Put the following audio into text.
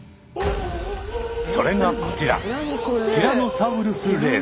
それがこちら。